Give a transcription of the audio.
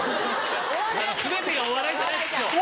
全てがお笑いじゃないですよ。